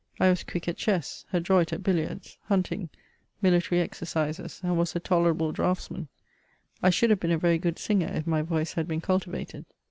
I was quick at chess, adroit at hilliards, hunting, military exercises, and was a tolerable draughtsman. I should have been a very good singer if my voice had been cultivated.